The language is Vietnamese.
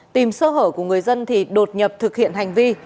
tìm sơ hở của người dân thì đột nhập thực hiện hành vi